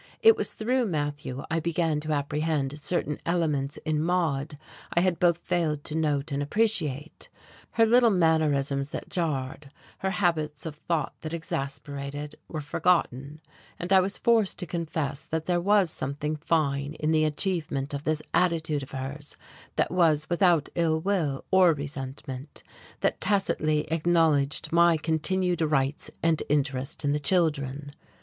It was through Matthew I began to apprehend certain elements in Maude I had both failed to note and appreciate; her little mannerisms that jarred, her habits of thought that exasperated, were forgotten, and I was forced to confess that there was something fine in the achievement of this attitude of hers that was without ill will or resentment, that tacitly acknowledged my continued rights and interest in the children.